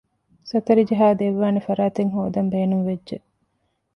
ސަތަރި ޖަހައި ދެއްވާނެ ފަރާތެއް ހޯދަން ބޭނުންވެއްޖެ